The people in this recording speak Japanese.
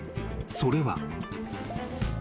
［それは］